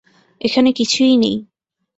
এখানে কিছুই নেই।